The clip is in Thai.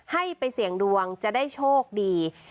ให้ไปเสี่ยงดวงจะได้โชคดี